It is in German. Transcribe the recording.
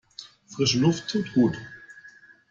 Frische Luft tut gut.